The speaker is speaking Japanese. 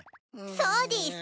そうでぃす！